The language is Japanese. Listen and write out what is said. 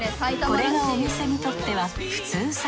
これがお店にとっては普通サイズ。